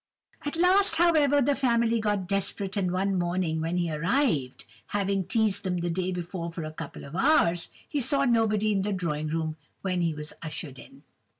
"At last, however, the family got desperate and one morning when he arrived, (having teazed them the day before for a couple of hours,) he saw nobody in the drawing room when he was ushered in.